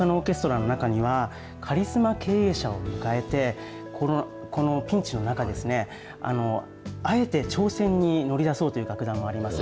大阪のオーケストラの中には、カリスマ経営者を迎えて、このピンチの中、あえて挑戦に乗り出そうという楽団もあります。